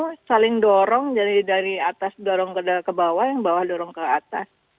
itu saling dorong dari atas dorong ke bawah yang bawah dorong ke atas